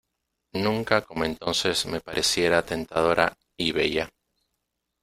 nunca como entonces me pareciera tentadora y bella.